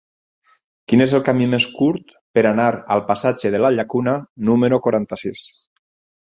Quin és el camí més curt per anar al passatge de la Llacuna número quaranta-sis?